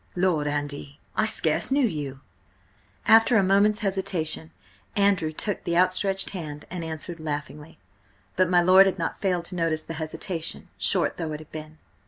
"Lord, Andy! I scarce knew you!" After a moment's hesitation, Andrew took the outstretched hand and answered, laughingly. But my lord had not failed to notice the hesitation, short though it had been.